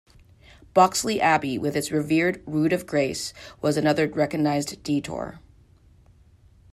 Boxley Abbey, with its revered Rood of Grace, was another recognised detour.